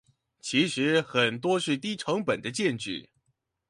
其實很多是低成本的建置